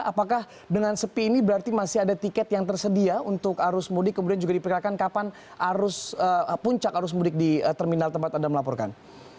apakah dengan sepi ini berarti masih ada tiket yang tersedia untuk arus mudik kemudian juga diperkirakan kapan puncak arus mudik di terminal tempat anda melaporkan